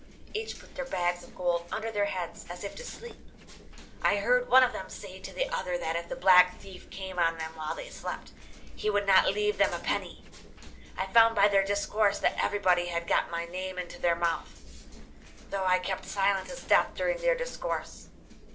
Each put their bags of gold under their heads, as if to sleep. I heard one of them say to the other that if the Black Thief came on them while they slept, he would not leave them a penny. I found by their discourse that everybody had got my name into their mouth, though I kept silent as death during their discourse.